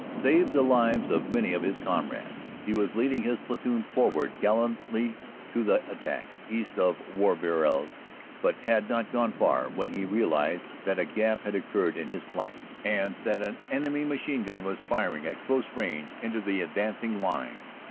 saved the lives of many of his com rades. He was leading his platoon forward gallantly to the attack, east of Warvillers, but had not gone far when he realized that a gap had occurred on his flank, and that an enemy machine gun was firing at close range into the advanc ing line.